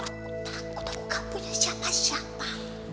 aku tahu kamu punya siapa siapa